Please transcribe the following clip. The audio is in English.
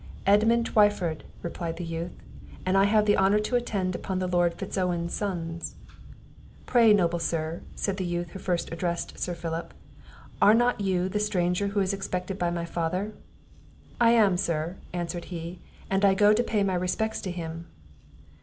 "Edmund Twyford," replied the youth; "and I have the honour to attend upon the Lord Fitz Owen's sons." "Pray, noble sir," said the youth who first addressed Sir Philip, "are not you the stranger who is expected by my father?" "I am, sir," answered he, "and I go to pay my respects to him."